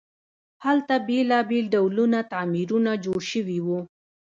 هلته بیلابیل ډوله تعمیرونه جوړ شوي وو.